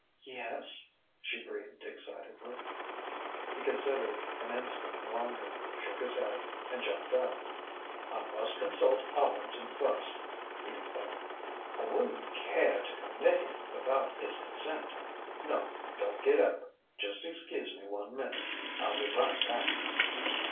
"Yes ?" she breathed excitedly. He considered an instant longer, shook his head, and jumped up. "I must consult Arlington first," he declared. "I wouldn't care to commit him without his consent. No don't get up. Just excuse me one minute. I'll be right back."